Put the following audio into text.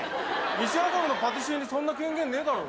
西麻布のパティシエにそんな権限ねえだろ。